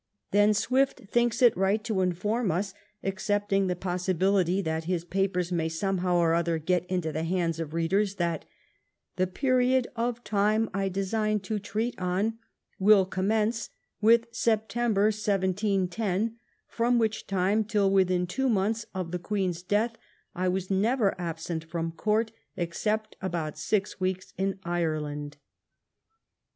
Then Swift thinks it right to inform us, accepting the possibility that his papers may somehow or other get into the hands of readers, that 'Hhe period of time I design to treat on, will commence with September 1710, from which time, till within two months of the Queen's death, I was never absent from court, except about six weeks in Ireland."